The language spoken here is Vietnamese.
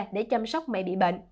để chăm sóc mẹ bị bệnh